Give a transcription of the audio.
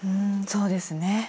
うんそうですね。